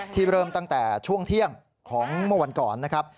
เริ่มตั้งแต่ช่วงเที่ยงของเมื่อวันก่อนนะครับ